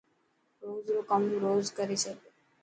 روز رو ڪم روز ڪري ڇڏ.